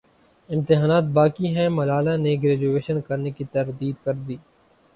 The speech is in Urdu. امتحانات باقی ہیں ملالہ نے گریجویشن کرنے کی تردید کردی